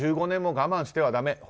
１５年も我慢してはだめ。